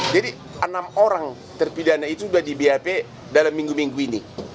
jadi enam orang terpidana itu sudah di bap dalam minggu minggu ini